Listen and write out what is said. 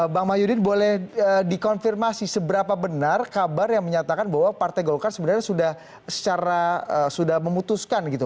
bang mahyudin boleh dikonfirmasi seberapa benar kabar yang menyatakan bahwa partai golkar sebenarnya sudah secara sudah memutuskan gitu